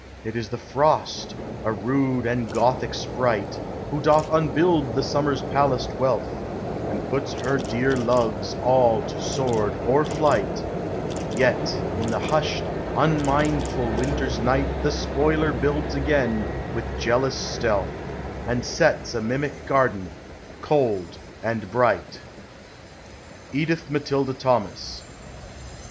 It is the Frost, a rude and Gothic sprite, Who doth unbuild the Summer's palaced wealth, And puts her dear loves all to sword or flight; Yet in the hushed, unmindful winter's night The spoiler builds again with jealous stealth, And sets a mimic garden, cold and bright. EDITH MATILDA THOMAS.